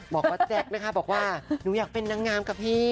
บอกว่าแจ๊คนะคะบอกว่าหนูอยากเป็นนางงามกับพี่